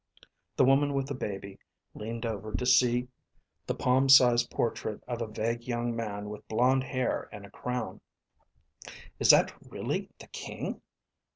The woman with the baby leaned over to see the palm sized portrait of a vague young man with blond hair and a crown. "Is that really the king?"